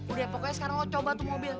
udah pokoknya sekarang lu coba tuh mobil